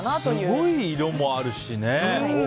すごい色もあるしね。